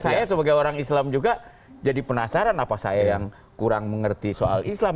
saya sebagai orang islam juga jadi penasaran apa saya yang kurang mengerti soal islam